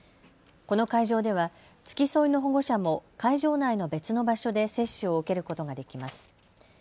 この会場では付き添いの保護者も会場内の別の場所で接種を受けることができます。